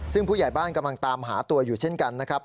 ซึ่งผู้ใหญ่บ้านกำลังตามหาตัวอยู่เช่นกันนะครับ